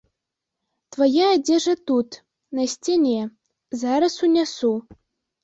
Твая адзежа тут, на сцяне, зараз унясу.